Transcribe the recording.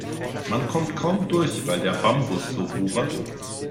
Man kommt kaum durch, weil der Bambus so wuchert.